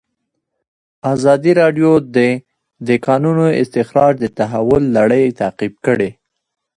ازادي راډیو د د کانونو استخراج د تحول لړۍ تعقیب کړې.